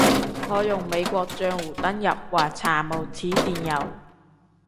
我用美國帳戶登入話查無此電郵